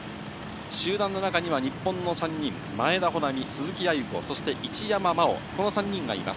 集団の中には日本の３人、前田穂南、鈴木亜由子、一山麻緒、この３人がいます。